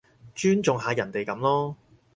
尊重下人哋噉囉